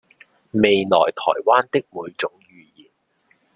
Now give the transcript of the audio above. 未來臺灣的每種語言